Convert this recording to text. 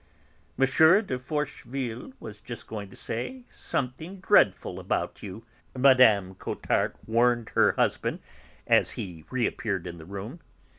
"M. de Forcheville was just going to say something dreadful about you," Mme. Cottard warned her husband as he reappeared in the room.